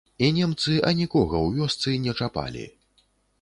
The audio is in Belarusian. І немцы анікога ў вёсцы не чапалі.